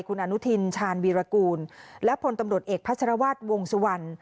คุณอนุทินชาญวีรกูลและพลตำรวจเอกพัชรวาสวงสุวรรณ